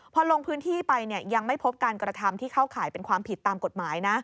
พอลงพื้นที่ไปยังไม่พบการกระทำที่เข้าข่ายเป็นความผิดตามกฎหมายนะ